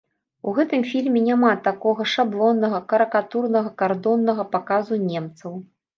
У гэтым фільме няма такога шаблоннага, карыкатурнага, кардоннага паказу немцаў.